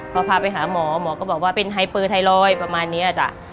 พอพาไปหาหมอหมอก็บอกว่าเป็นไฮเปอร์ไทรอยด์ประมาณนี้จ้ะ